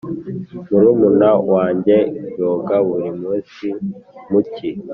] murumuna wanjye yoga buri munsi mu cyi.